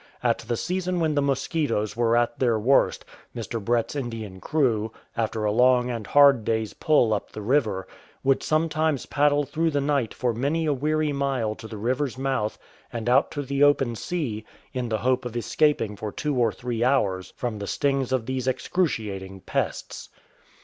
At the season when the mosquitoes were at their worst, Mr. Brett's Indian crew, after a long and hard day's pull up the river, would sometimes paddle through the night for many a weary mile to the river's mouth and out to the open sea, in the hope of escaping for two or three hours from the stings of these excruciating pests.